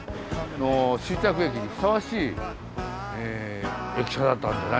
終着駅にふさわしい駅舎だったんじゃないでしょうか。